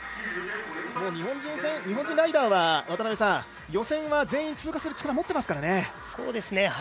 日本人ライダーは渡辺さん、予選は全員通過する力を持っていますからね。